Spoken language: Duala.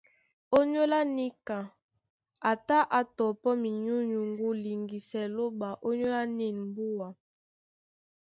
Ònyólá níka a tá á tɔpɔ́ minyúnyuŋgú liŋgisɛ Lóɓa ónyólá nîn mbúa.